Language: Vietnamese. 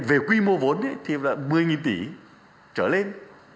về quy mô vốn thì là một mươi tỷ trở lên